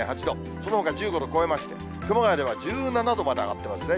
そのほか１５度超えまして、熊谷では１７度まで上がってますね。